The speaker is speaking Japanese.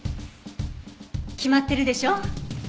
決まってるでしょ。